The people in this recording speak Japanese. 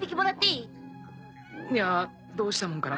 いやどうしたもんかな。